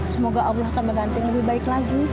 semoga allah akan mengganti lebih baik lagi